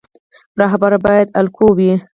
رهبر باید الګو وي